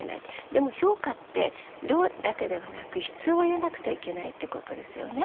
でも評価って量だけではなく質を入れなくてはいけないってことですよね。